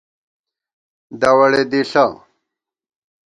دَوَڑےدِݪہ